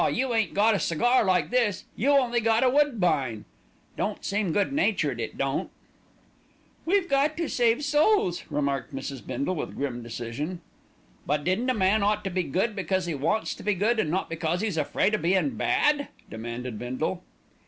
you ain't got a cigar like this, you only got a woodbine.' Don't seem good natured, it don't." "We've got to save souls," remarked Mrs. Bindle with grim decision. "But didn't a man ought to be good because he wants to be good, and not because 'e's afraid of being bad?" demanded Bindle.